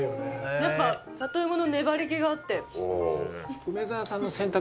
やっぱ里芋の粘り気があって。